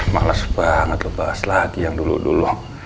males banget lo bahas lagi yang dulu dulu